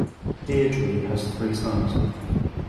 Deirdre has three sons.